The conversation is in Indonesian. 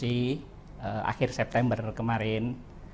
di akhir september kemarin